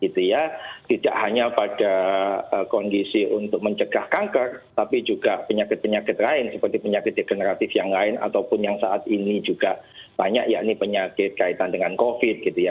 tidak hanya pada kondisi untuk mencegah kanker tapi juga penyakit penyakit lain seperti penyakit degeneratif yang lain ataupun yang saat ini juga banyak yakni penyakit kaitan dengan covid gitu ya